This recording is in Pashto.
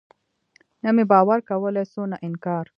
نه مې باور کولاى سو نه انکار.